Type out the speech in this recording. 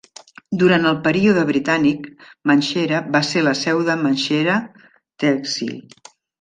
Durant el període britànic, Manshera va ser la seu de Mansehra "Tehsil".